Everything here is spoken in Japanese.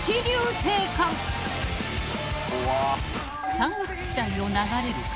［山岳地帯を流れる川］